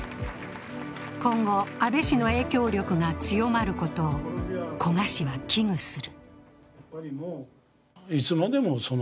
今後、安倍氏の影響力が強まること古賀氏は危惧する。